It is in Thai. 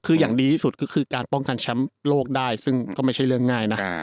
คืออย่างดีที่สุดก็คือการป้องกันแชมป์โลกได้ซึ่งก็ไม่ใช่เรื่องง่ายนะ